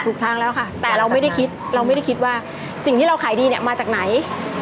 ถูกทางแล้วค่ะแต่เราไม่ได้คิดว่าสิ่งที่เราขายดีเนี่ยมาจากไหน